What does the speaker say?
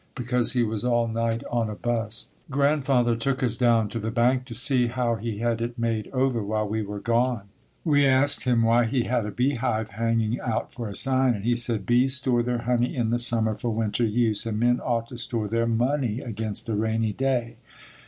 Because he was all night on a bust." Grandfather took us down to the bank to see how he had it made over while we were gone. We asked him why he had a beehive hanging out for a sign and he said, "Bees store their honey in the summer for winter use and men ought to store their money against a rainy day."